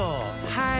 はい！